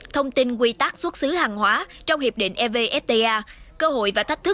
thông tin quy tắc xuất xứ hàng hóa trong hiệp định evfta